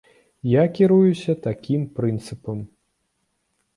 Я кіруюся такім прынцыпам.